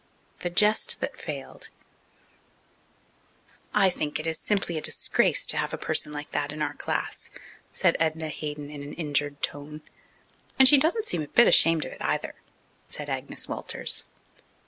The Jest That Failed "I think it is simply a disgrace to have a person like that in our class," said Edna Hayden in an injured tone. "And she doesn't seem a bit ashamed of it, either," said Agnes Walters.